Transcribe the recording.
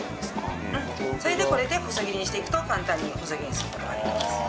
それでこれで細切りにしていくと簡単に細切りにする事ができます。